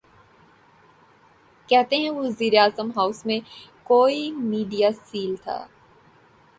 کہتے ہیں کہ وزیراعظم ہاؤس میں کوئی میڈیا سیل تھا۔